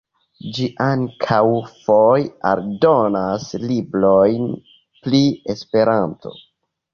Ĝi ankaŭ foje eldonas librojn pri Esperanto.